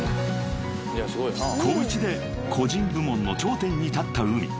［高１で個人部門の頂点に立ったＵＭＩ］